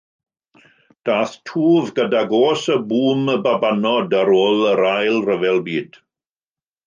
Daeth twf gydag oes y “Bŵm Babanod” ar ôl yr Ail Ryfel Byd.